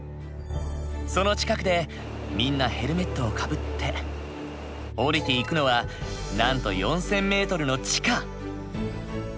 その近くでみんなヘルメットをかぶって降りていくのはなんと４，０００ｍの地下！